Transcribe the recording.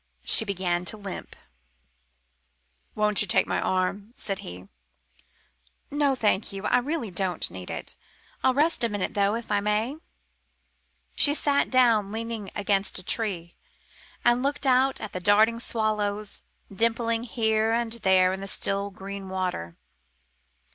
She began to limp. "Won't you take my arm?" said he. "No, thank you. I don't really need it. I'll rest a minute, though, if I may." She sat down, leaning against a tree, and looked out at the darting swallows, dimpling here and there the still green water.